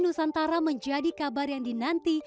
nusantara menjadi kabar yang dinanti